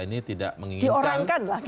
ini tidak menginginkan